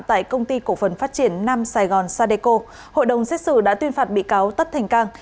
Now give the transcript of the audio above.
tại công ty cổ phần phát triển nam sài gòn sadeco hội đồng xét xử đã tuyên phạt bị cáo tất thành cang